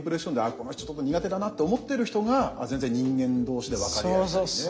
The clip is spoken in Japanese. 「あっこの人ちょっと苦手だな」と思ってる人が全然人間同士で分かり合ったりね。